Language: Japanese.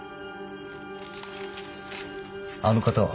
あの方は？